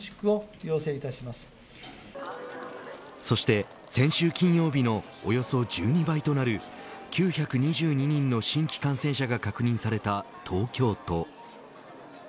そして先週金曜日のおよそ１２倍となる９２２人の新規感染者が確認された東京都。